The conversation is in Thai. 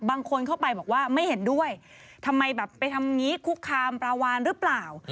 บางคนเข้าไปบอกว่าไม่เห็นด้วยทำไมแบบไปทำงี้คุกคามปลาวานหรือเปล่า